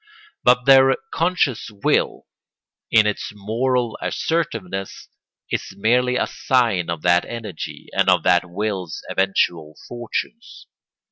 But their conscious will, in its moral assertiveness, is merely a sign of that energy and of that will's eventual fortunes.